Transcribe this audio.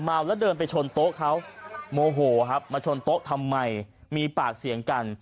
เมาแล้วเดินไปชนโต๊ะเขาโมโหครับมาชนโต๊ะทำไมมีปากเสียงกัน